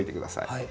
はい。